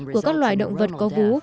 của các loại động vật có vú